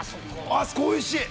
◆あそこ、おいしい。